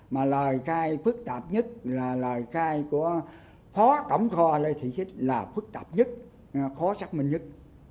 mà lời khai phức tạp nhất là lời khai của khó tổng kho là phức tạp nhất khó xác minh nhất